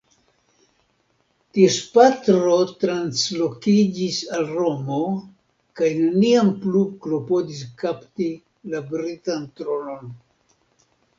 Ties patro translokiĝis al Romo kaj neniam plu klopodis kapti la britan tronon.